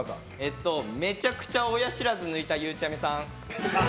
めちゃくちゃ親知らず抜いたゆうちゃみさん。